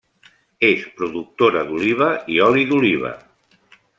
És productora d'oliva i oli d'oliva.